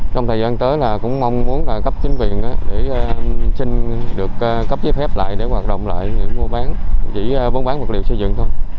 trong thời gian tới là cũng mong muốn cấp chính viện để xin được cấp giới phép lại để hoạt động lại những vô bán chỉ vô bán vật liệu xây dựng thôi